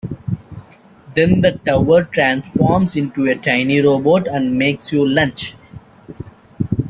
Then the tower transforms into a tiny robot and makes you lunch.